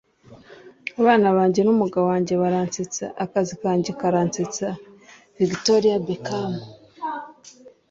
bana banjye n'umugabo wanjye baransetsa. akazi kanjye karansetsa. - victoria beckham